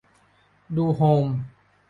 ดูโฮม